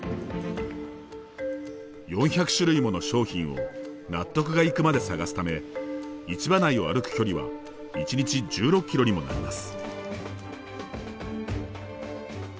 ４００種類もの商品を納得がいくまで探すため市場内を歩く距離は一日１６ｋｍにもなります。